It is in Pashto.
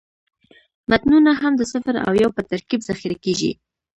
متنونه هم د صفر او یو په ترکیب ذخیره کېږي.